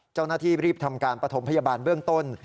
เจ้าหน้าที่รีบทำการปฐมพยาบาลเบื้องต้น